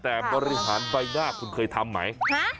แต่บริหารใบหน้าคุณเคยทำไหม